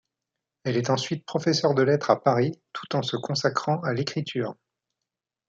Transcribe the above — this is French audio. Elle est ensuite professeur de Lettres à Paris, tout en se consacrant à l'écriture.